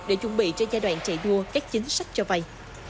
để chuẩn bị cho giai đoạn chạy đua các chính sách cho vay